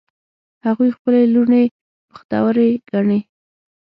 هغوی خپلې لوڼې بختوری ګڼي